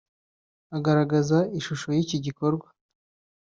Agaragaza ishusho y’iki gikorwa